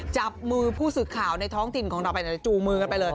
จับมือผู้สื่อข่าวในท้องถิ่นของเราไปไหนจูงมือกันไปเลย